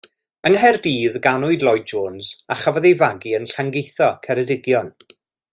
Yng Nghaerdydd y ganwyd Lloyd-Jones a chafodd ei fagu yn Llangeitho, Ceredigion.